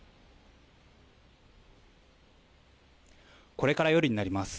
これから夜になります。